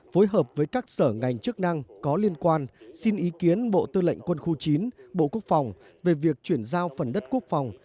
phối hợp với các sở ngành chức năng có liên quan xin ý kiến bộ tư lệnh quân khu chín bộ quốc phòng về việc chuyển giao phần đất quốc phòng